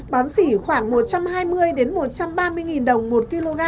bón xỉ khoảng một trăm hai mươi một trăm ba mươi đồng một kg